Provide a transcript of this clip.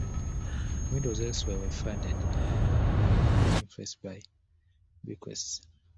Windows elsewhere were funded and influenced by bequests.